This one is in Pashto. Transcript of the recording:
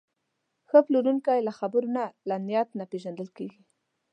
ښه پلورونکی له خبرو نه، له نیت نه پېژندل کېږي.